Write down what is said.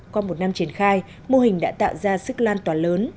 qua một năm triển khai mô hình đã tạo ra sức lan tỏa lớn